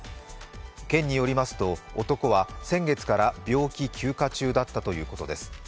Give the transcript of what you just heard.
県によりますと、男は先月から病気休暇中だったということです。